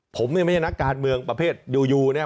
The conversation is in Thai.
ผมเนี่ยไม่ใช่นักการเมืองประเภทอยู่เนี่ย